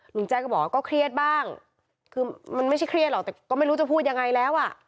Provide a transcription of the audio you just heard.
ลุงแจ้งก็บอกว่าก็เครียดบ้างคือมันไม่ใช่เครียดหรอกแต่ก็ไม่รู้จะพูดยังไงแล้วอ่ะ